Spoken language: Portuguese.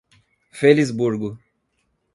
Felisburgo